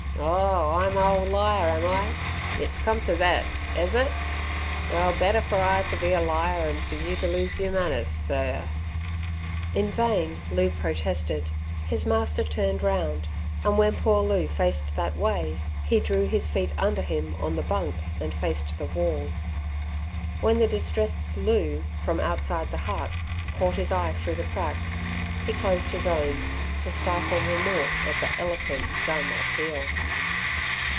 "Oh I'm a ole liar, am I! Yit's come ter thet; ez it? Well better fer I ter be a liar 'n fer you ter lose yer manners Sir." In vain Loo protested. His master turned round, and when poor Loo faced that way, he drew his feet under him on the bunk and faced the wall. When the distressed Loo, from outside the hut, caught his eye through the cracks, he closed his own, to stifle remorse at the eloquent dumb appeal.